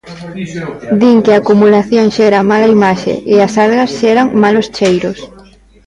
Din que a acumulación xera mala imaxe e as algas xeran malos cheiros.